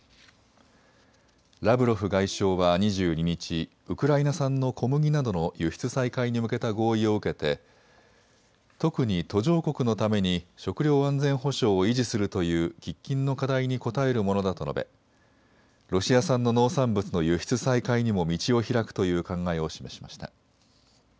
ラブロフ外相は２２日、ウクライナ産の小麦などの輸出再開に向けた合意を受けて特に途上国のために食料安全保障を維持するという喫緊の課題に応えるものだと述べロシア産の農産物の輸出再開にも道を開くという考えを示しました。